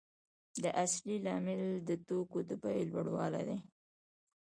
دا اصلي لامل د توکو د بیې لوړوالی دی